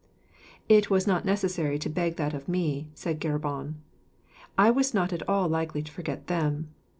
"It was not necessary to beg that of me," said Geburon; "I was not at all likely to forget them.